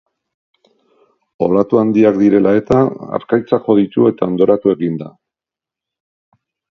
Olatu handiak direla eta, harkaitzak jo ditu eta hondoratu egin da.